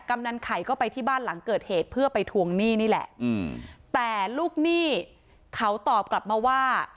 ำนันไข่ก็ไปที่บ้านหลังเกิดเหตุเพื่อไปทวงหนี้นี่แหละแต่ลูกหนี้เขาตอบกลับมาว่า